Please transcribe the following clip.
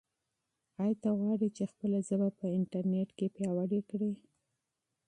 آیا ته غواړې چې خپله ژبه په انټرنیټ کې پیاوړې کړې؟